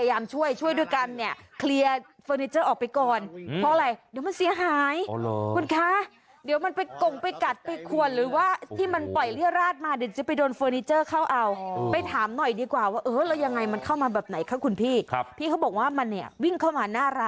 อ้าวก็ลากมันออกมาแบบนี้อ่ะนะคะ